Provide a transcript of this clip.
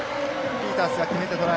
ピータースが決めてトライ。